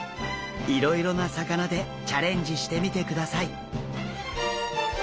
いろいろな魚でチャレンジしてみてください。